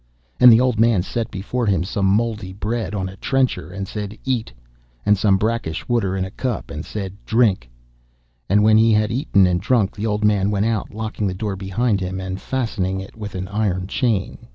And the old man set before him some mouldy bread on a trencher and said, 'Eat,' and some brackish water in a cup and said, 'Drink,' and when he had eaten and drunk, the old man went out, locking the door behind him and fastening it with an iron chain.